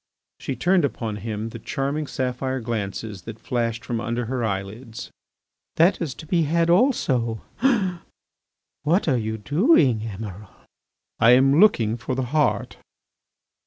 She turned upon him the charming sapphire glances that flashed from under her eyelids. "That is to be had also ... what are you doing, Emiral?" "I am looking for the heart."